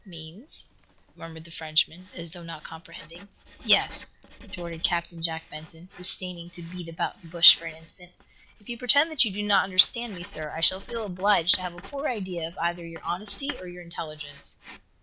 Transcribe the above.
"Means?" murmured the Frenchman, as though not comprehending. "Yes," retorted Captain Jack Benson, disdaining to beat about the bush for an instant. "If you pretend that you do not understand me, sir, I shall feel obliged to have a poor idea of either your honesty or your intelligence."